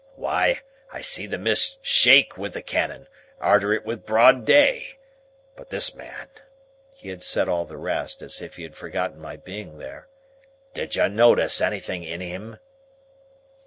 Why, I see the mist shake with the cannon, arter it was broad day,—But this man"; he had said all the rest, as if he had forgotten my being there; "did you notice anything in him?"